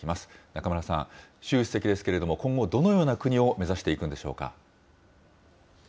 中村さん、習主席ですけれども、今後、どのような国を目指していくんでしょうか。